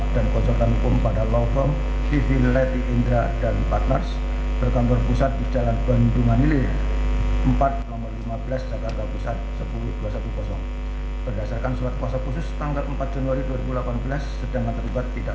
dan juga terdapat satu satunya jalan yang berjalan dengan baik